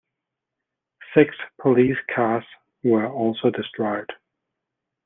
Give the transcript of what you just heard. Six police cars were also destroyed.